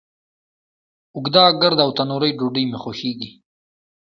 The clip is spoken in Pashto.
اوږده، ګرده، او تنوری ډوډۍ می خوښیږی